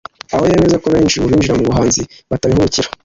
aho yemeza ko benshi mu binjira mu buhanzi batabihubukira